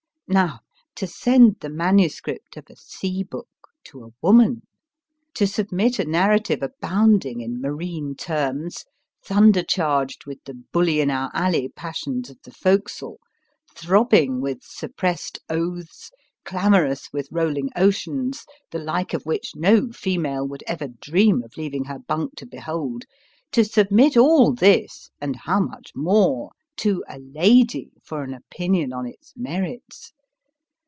Now to send the manuscript of a sea book to a woman ! To submit a narrative abounding in marine terms, thunder charged with the bully in our alley passions of the forecastle, throbbing with suppressed oaths, clamorous with rolling oceans, the like of which no female would ever dream of leaving her bunk to be hold to submit all this, and how much more, to a lady for an opinion on its merits